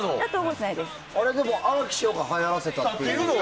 荒木師匠がはやらせたっていうのは？